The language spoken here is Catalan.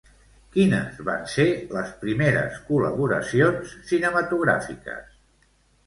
Quines van ser les primeres col·laboracions cinematogràfiques?